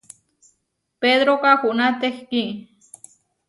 Pedró kahuná tehkí.